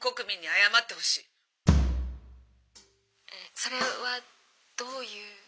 「それはどういう」。